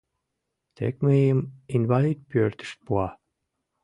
Тек мыйым инвалид пӧртыш пуа.